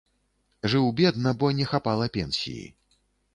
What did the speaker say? Жыў бедна, бо не хапала пенсіі.